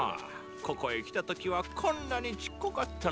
ここへ来た時はこんなに小っこかったのに。